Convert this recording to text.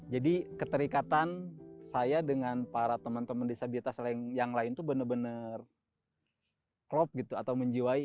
jadi keterikatan saya dengan para teman teman disabilitas yang lain tuh bener bener klop gitu atau menjiwai